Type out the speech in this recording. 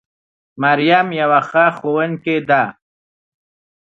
مريم يوه ښه ښوونکې ده